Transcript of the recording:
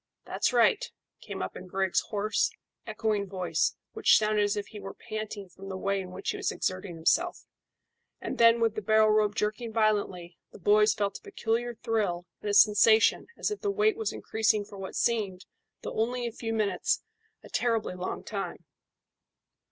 "That's right," came up in Griggs' hoarse, echoing voice, which sounded as if he were panting from the way in which he was exerting himself; and then with the barrel rope jerking violently, the boys felt a peculiar thrill and a sensation as if the weight was increasing for what seemed, though only a few minutes, a terribly long time.